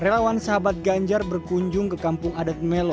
relawan sahabat ganjar berkunjung ke kampung adat melo